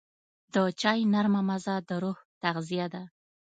د چای نرمه مزه د روح تغذیه ده.